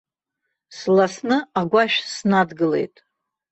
Сласны агәашә снадгылеит.